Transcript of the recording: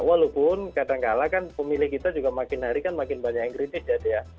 walaupun kadang kadang lah kan pemilih kita juga makin hari kan makin banyak yang kritis ya